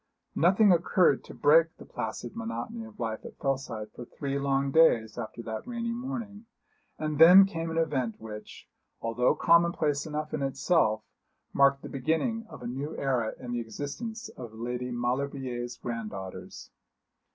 Nothing occurred to break the placid monotony of life at Fellside for three long days after that rainy morning; and then came an event which, although commonplace enough in itself, marked the beginning of a new era in the existence of Lady Maulevrier's granddaughters.